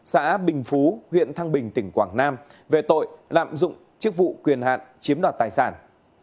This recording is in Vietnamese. xã bình phú huyện thăng bình tỉnh quảng nam về tội lạm dụng chức vụ quyền hạn chiếm đoạt tài sản